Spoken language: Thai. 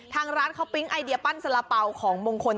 ท่างร้านเพิ่มไอเดียปั้นสารเปล่าของมงคล